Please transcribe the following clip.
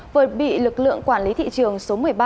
vừa bị lực lượng quản lý thị trường số một mươi ba